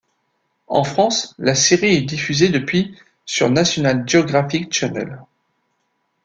En France, la série est diffusée depuis sur National Geographic Channel.